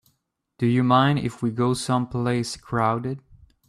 Do you mind if we go someplace crowded?